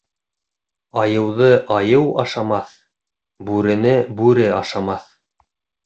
Айыуҙы айыу ашамаҫ, бүрене бүре ашамаҫ.